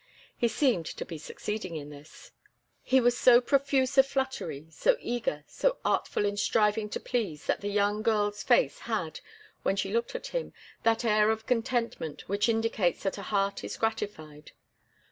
He seemed to be succeeding in this. He was so profuse of flattery, so eager, so artful in striving to please, that the young girl's face had, when she looked at him, that air of contentment which indicates that the heart is gratified.